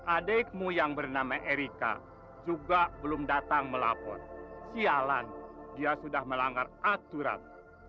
adikmu yang bernama erika juga belum datang melapor sialan dia sudah melanggar aturan